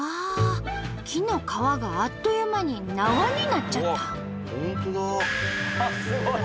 木の皮があっという間に縄になっちゃった。